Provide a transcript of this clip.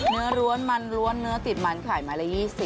ร้วนมันล้วนเนื้อติดมันขายไม้ละ๒๐